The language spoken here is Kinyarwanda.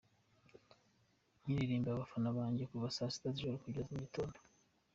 nkaririmbira abafana banjye kuva saa sita zijoro kugeza mu gitondo.